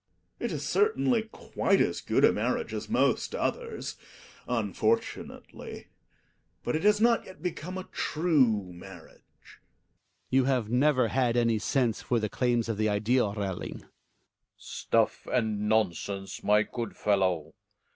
It is certaii ly q,iite' cs gooi a raarriage as most others, unfortunately. Bui it has not yet become a true marriage. .••..•,.* Hjalmar. You havp ne ^ei ha I an^ sense tor the claims of the ideal, Relling. Relling. Stuff and nonsense, my good fellow!